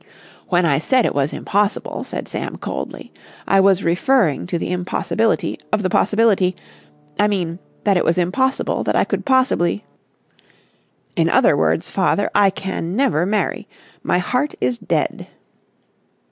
"When I said it was impossible," said Sam coldly, "I was referring to the impossibility of the possibility.... I mean, that it was impossible that I could possibly ... in other words, father, I can never marry. My heart is dead."